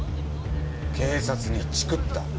警察にチクった。